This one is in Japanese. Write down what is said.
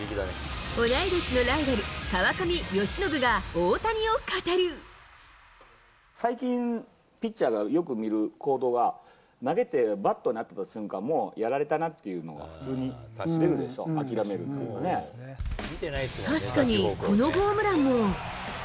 同い年のライバル、川上、最近、ピッチャーがよく見る行動が、投げてバットに当てた瞬間、もう、やられたなっていうのが、普通に出るでしょ、諦めるっていうのを確かに、このホームランも。